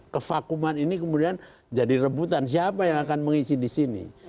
kevakuman ini kemudian jadi rebutan siapa yang akan mengisi di sini